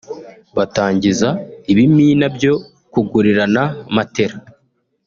batangiza ibimina byo kugurirana matela